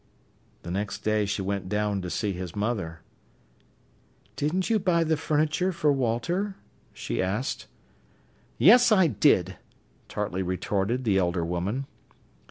The next day she went down to see his mother. "Didn't you buy the furniture for Walter?" she asked. "Yes, I did," tartly retorted the elder woman.